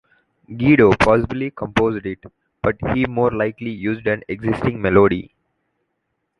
Guido possibly composed it, but he more likely used an existing melody.